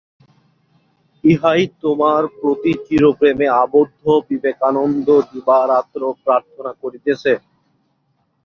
ইহাই তোমার প্রতি চিরপ্রেমে আবদ্ধ বিবেকানন্দ দিবারাত্র প্রার্থনা করিতেছে।